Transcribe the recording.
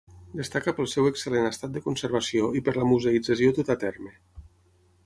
Destaca pel seu excel·lent estat de conservació i per la museïtzació duta a terme.